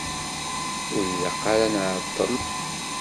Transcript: Ur ilaq ara ad nɛeṭṭel.